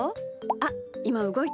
あっいまうごいた。